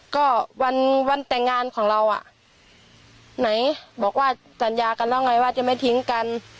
ก็วันแต่งงานของเราอ่ะไหนบอกว่าสัญญากันแล้วไงว่าจะไม่ทิ้งกัน